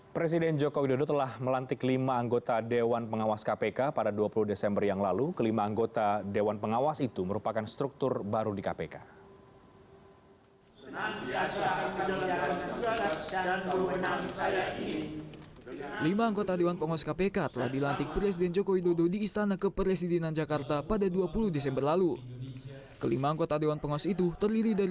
pembangunan kepresiden joko widodo